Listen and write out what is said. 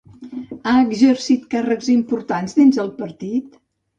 Ha exercit càrrecs importants dins el partit?